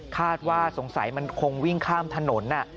คาดว่าสงสัยมันคงวิ่งข้ามถนน